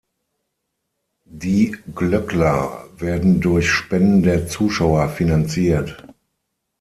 Die Glöckler werden durch Spenden der Zuschauer finanziert.